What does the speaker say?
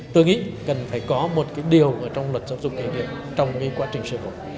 tôi nghĩ cần phải có một điều trong luật giáo dục nghề nghiệp trong quá trình sử dụng